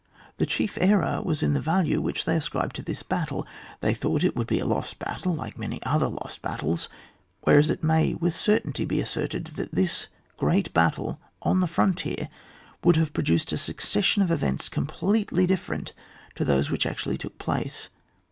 The chief error was in the value which they ascribed to this battle ; they thought it would be a lost battle, like many other lost battles, whereas it may with certainty be asserted that this great battle on the frontier would have produced a succession of eyents completely different to those which actually took place.